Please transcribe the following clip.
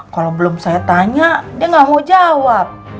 kalau belum saya tanya dia nggak mau jawab